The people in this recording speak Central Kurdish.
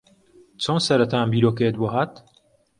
چۆن سەرەتا ئەم بیرۆکەیەت بۆ ھات؟